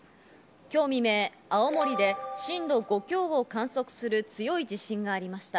今日未明、青森で震度５強を観測する強い地震がありました。